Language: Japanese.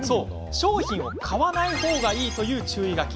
商品を買わないほうがいいという注意書き。